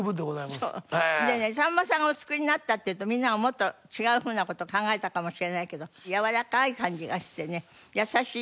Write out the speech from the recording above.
でねさんまさんがお作りになったっていうとみんながもっと違うふうな事を考えたかもしれないけどやわらかい感じがしてね優しい。